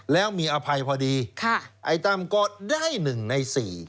แล้วมีอภัยพอดีไอ้ตั้มก็ได้๑ใน๔